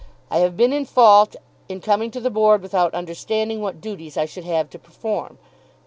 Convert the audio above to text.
I have been in fault in coming in to the Board without understanding what duties I should have to perform